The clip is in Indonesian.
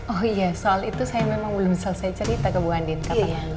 oh iya soal itu saya memang belum selesai cerita ke bu andit katanya